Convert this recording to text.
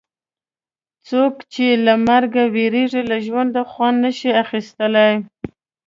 څوک چې له مرګ وېرېږي له ژونده خوند نه شي اخیستلای.